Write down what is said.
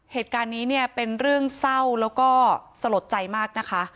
เหตุการณ์นี้เนี่ยเป็นเรื่องเศร้าแล้วก็สลดใจมากนะคะ